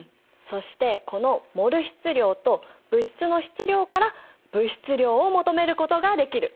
そしてこのモル質量と物質の質量から物質量を求めることができる！